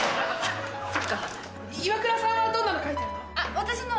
イワクラさんはどんなの描いてるの？